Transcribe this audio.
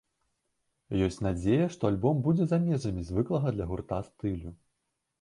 Ёсць надзея, што альбом будзе за межамі звыклага для гурта стылю.